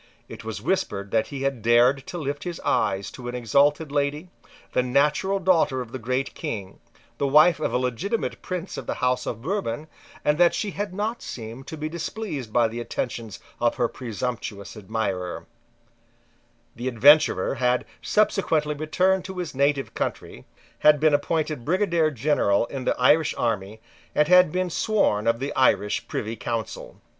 It was whispered that he had dared to lift his eyes to an exalted lady, the natural daughter of the Great King, the wife of a legitimate prince of the House of Bourbon, and that she had not seemed to be displeased by the attentions of her presumptuous admirer, The adventurer had subsequently returned to his native country, had been appointed Brigadier General in the Irish army, and had been sworn of the Irish Privy Council.